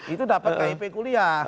itu dapat kip kuliah